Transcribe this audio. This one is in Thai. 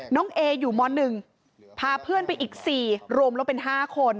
น้องเออยู่ม้อนึงพาเพื่อนไปอีก๔รวมแล้วเป็น๕คน